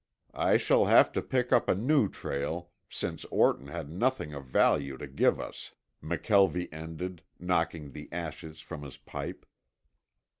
I shall have to pick up a new trail, since Orton had nothing of value to give us," McKelvie ended, knocking the ashes from his pipe.